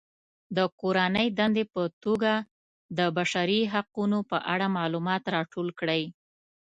د کورنۍ دندې په توګه د بشري حقونو په اړه معلومات راټول کړئ.